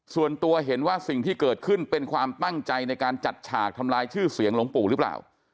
ส่วนตัวเห็นว่าสิ่งที่เกิดขึ้นเป็นความตั้งใจในการจัดฉากทำลายชื่อเสียงหลวงปู่หรือเปล่า